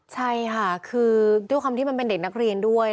ใช่ค่ะคือด้วยความที่มันเป็นเด็กนักเรียนด้วย